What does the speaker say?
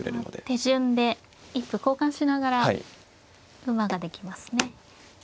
手順で一歩交換しながら馬ができますね。